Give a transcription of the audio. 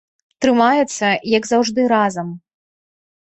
Трымаюцца, як заўжды, разам.